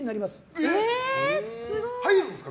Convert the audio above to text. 入るんですか？